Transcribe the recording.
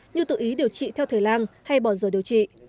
như tự ý điều trị theo thời lang hay bỏ rời điều trị